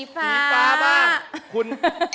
สีฟ้าบ้าง